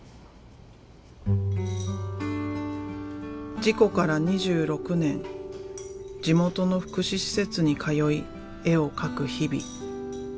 事故から２６年地元の福祉施設に通い絵を描く日々。